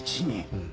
うん。